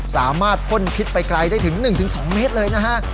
พ่นพิษไปไกลได้ถึง๑๒เมตรเลยนะฮะ